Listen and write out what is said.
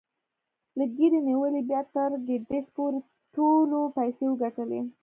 له ګيري نيولې بيا تر ګيټس پورې ټولو پيسې وګټلې.